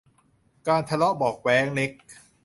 การทะเลาะเบาะแว้งเล็ก